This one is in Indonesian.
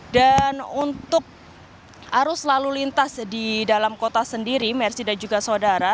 dan untuk arus lalu lintas di dalam kota sendiri merci dan juga saudara